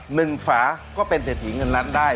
ฝาก็เป็นเศรษฐีเงินนั้นได้